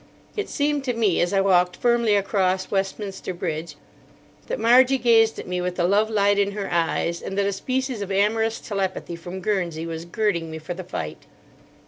It seemed to me, as I walked firmly across Westminster Bridge, that Margie gazed at me with the lovelight in her eyes, and that a species of amorous telepathy from Guernsey was girding me for the fight.